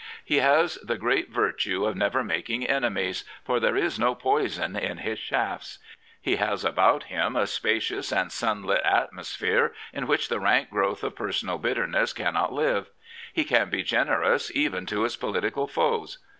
He has the great virtue of never making enemies^ for there is no poison in his shaftsf He has about him a spacious and sunlit atmosphere in which the rank growth of personal bitterness cannot live. He can be generous even to his political foes.